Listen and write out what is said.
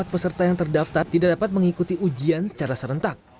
dua ratus empat puluh empat peserta yang terdaftar tidak dapat mengikuti ujian secara serentak